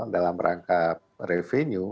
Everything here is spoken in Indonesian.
dalam rangka revenue